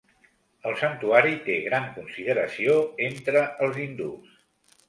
El santuari té gran consideració entre els hindús.